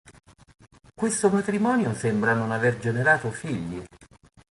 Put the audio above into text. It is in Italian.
Questo matrimonio sembra non aver generato figli.